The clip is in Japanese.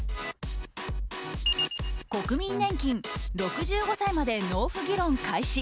国民年金６５歳まで納付議論開始。